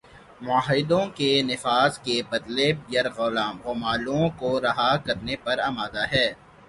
معاہدوں کے نفاذ کے بدلے یرغمالوں کو رہا کرنے پر آمادہ ہے